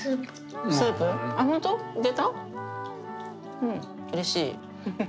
うんうれしい。